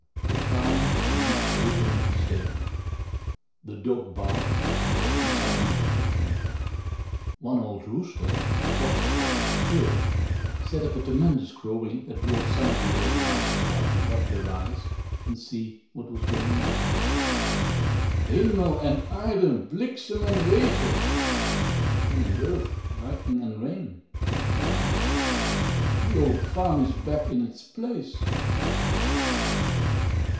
The cows were knocked over in the stable. The dog barked, supposing some one had kicked him. One old rooster, jostled off his perch, set up a tremendous crowing, that brought some of the early risers out to rub their eyes and see what was going on. "Hemel en aard, bliksem en regen" (Heaven and earth, lightning and rain), they cried, "the old farm is back in its place."